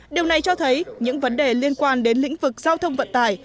điều này cho thấy những vấn đề liên quan đến lĩnh vực giao thông vận tải